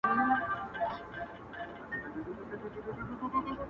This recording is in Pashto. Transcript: زهره چاودي به لستوڼي کي ماران سي-